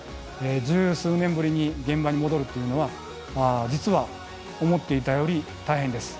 十数年ぶりに現場に戻るっていうのは実は思っていたより大変です。